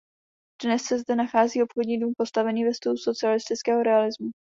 Dnes se zde nachází obchodní dům postavený ve stylu socialistického realismu.